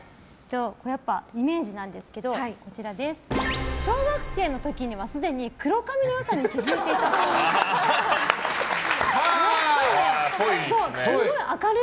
やっぱりイメージなんですけど小学生の時には既に黒髪の良さに気づいていたっぽい。